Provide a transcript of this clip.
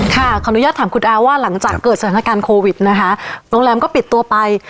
ขออนุญาตถามคุณอาว่าหลังจากเกิดสถานการณ์โควิดนะคะโรงแรมก็ปิดตัวไป